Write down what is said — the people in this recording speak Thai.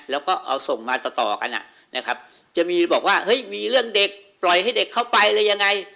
แล้วก็เอาส่งมาต่อกันนะครับจะมีบอกว่าเฮ้ยมีเรื่องเด็กปล่อยให้เด็กเข้าไปอะไรยังไง